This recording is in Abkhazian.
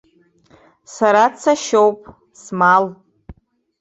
Сара дсашьоуп, смал.